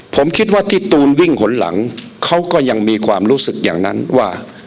ผมคิดว่าที่ตูนวิ่งหนหลังเขาก็ยังมีความรู้สึกอย่างนั้นว่า